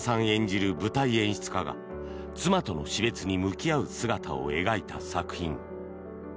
演じる舞台演出家が妻との死別に向き合う姿を描いた作品。